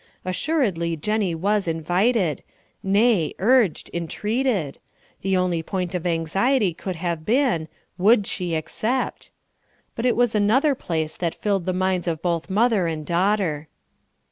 Assuredly Jennie was invited nay, urged, entreated; the only point of Anxiety could have been would she accept? But it was another place that filled the minds of both mother and daughter.